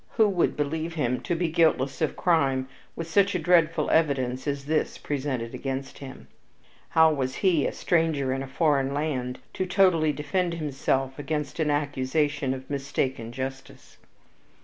Who would believe him to be guiltless of crime with such a dreadful evidence as this presented against him? How was he, a stranger in a foreign land, to totally defend himself against an accusation of mistaken justice?